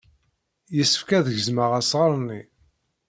Yessefk ad gezmeɣ asɣar-nni.